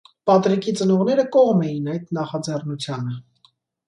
Պատրիկի ծնողները կողմ էին այդ նախաձեռնությանը։